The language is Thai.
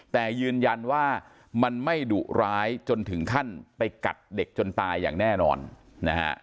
แต่ยืนยันว่ามันไม่ดุร้ายจนถึงขั้นไปกัดเด็กจนตายอย่างแน่นอนนะฮะ